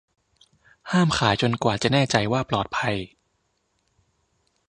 ห้ามขายจนกว่าจะแน่ใจว่าปลอดภัย